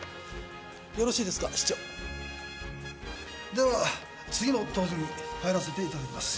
では次の討議に入らせていただきます。